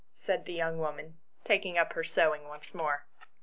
" said the young woman, taking up her sewing once more.